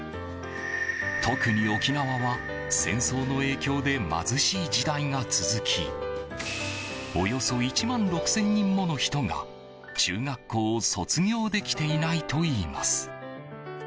特に、沖縄は戦争の影響で貧しい時代が続きおよそ１万６０００人もの人が中学校を卒業できていないといいます。